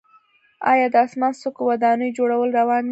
آیا د اسمان څکو ودانیو جوړول روان نه دي؟